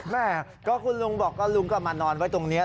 แม่ก็คุณลุงบอกก็ลุงก็มานอนไว้ตรงนี้